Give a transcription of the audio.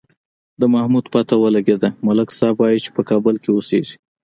د محمود پته ولگېده، ملک صاحب وایي چې په کابل کې اوسېږي.